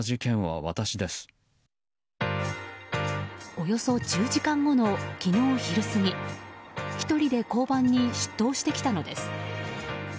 およそ１０時間後の昨日昼過ぎ１人で交番に出頭してきたのです。